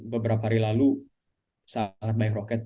beberapa hari lalu sangat baik roket